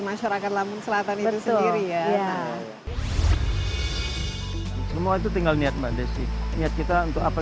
masyarakat lampung selatan itu sendiri ya semua itu tinggal niat mbak desi niat kita untuk apa